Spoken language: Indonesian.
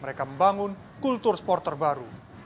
mereka membangun kultur sport terbaru